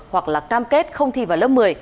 hoặc là cam kết không thi vào lớp một mươi